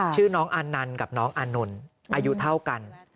ชื่อน้องอานันต์กับน้องอานนท์อายุเท่ากัน